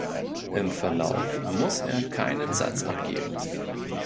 Im Verlauf muss er keinen Satz abgeben.